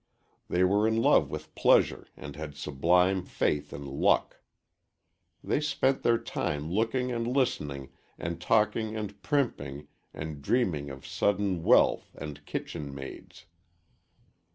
They were in love with pleasure and had sublime faith in luck. They spent their time looking and listening and talking and primping and dreaming of sudden wealth and kitchen maids.